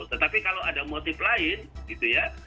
tetapi kalau ada motif lain gitu ya